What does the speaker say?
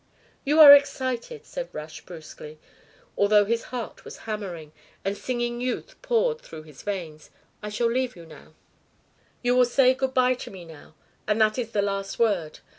"You are excited," said Rush brusquely, although his heart was hammering, and singing youth poured through his veins. "I shall leave you now " "You will say good bye to me now, and that is the last word.